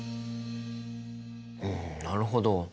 うんなるほど！